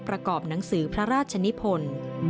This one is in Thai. ประกอบหนังสือพระราชนิพล